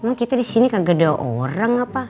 emang kita disini kagak ada orang apa